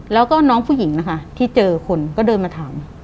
แล้วก็น้องผู้หญิงนะคะที่เจอคนก็เดินมาถาม